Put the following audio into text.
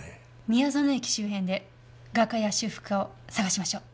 宮園駅周辺で画家や修復家を探しましょう。